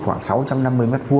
khoảng sáu trăm năm mươi m hai